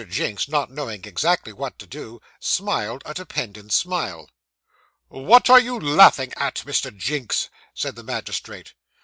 Jinks, not knowing exactly what to do, smiled a dependent's smile. 'What are you laughing at, Mr. Jinks?' said the magistrate.